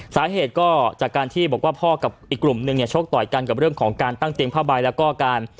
สาเหตุก็จากการที่บอกว่าพ่อกับอีกกลุ่มนึงเนี่ยชกต่อยกันกับเรื่องของการตั้งเตียงผ้าใบแล้วก็การ